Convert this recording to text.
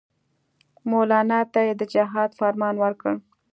مولنا ته یې د جهاد فرمان ورکړ.